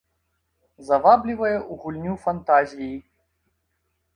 Заваблівае ў гульню фантазіі.